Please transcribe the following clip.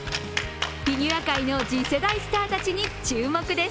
フィギュア界の次世代スターたちに注目です。